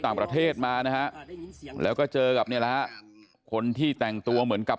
ต่างประเทศมานะฮะแล้วก็เจอกับคนที่แต่งตัวเหมือนกลับ